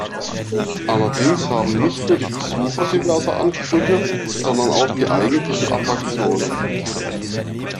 Allerdings haben nicht nur die Besucher diverse Ansprüche, sondern auch die eigentlichen Attraktionen.